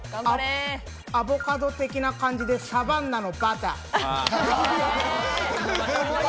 アボカド的な感じで、サバンナのバター。